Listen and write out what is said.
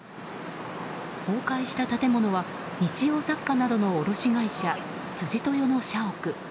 崩壊した建物は日用雑貨などの卸会社辻豊の社屋。